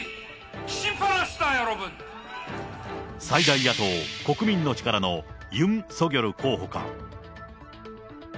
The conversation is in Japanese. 最大野党・国民の力のユン・ソギョル候補か。